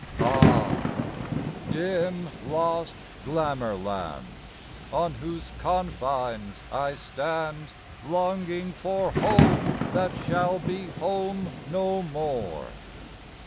Ah ! dim, lost Glamour land, On whose confines I stand, Longing for home that shall be home no more